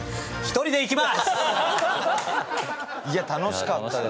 いや楽しかったです。